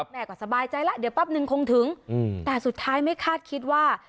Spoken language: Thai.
แม่ก็สบายใจแล้วเดี๋ยวแป๊บนึงคงถึงแต่สุดท้ายไม่คาดคิดว่า